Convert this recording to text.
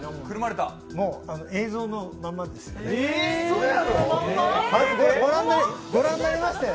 もう映像のままですよ。